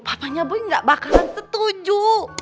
papanya bui gak bakalan setuju